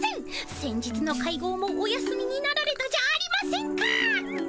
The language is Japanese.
先日の会合もお休みになられたじゃありませんか！